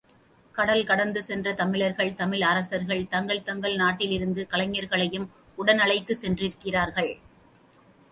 கடல் கடந்து சென்ற தமிழர்கள், தமிழ் அரசர்கள் தங்கள் தங்கள் நாட்டிலிருந்து கலைஞர்களையும் உடன் அழைத்துச் சென்றிருக்கிறார்கள்.